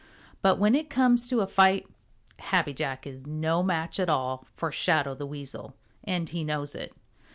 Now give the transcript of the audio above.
But when it comes to a fight, Happy Jack is no match at all for Shadow the Weasel, and he knows it.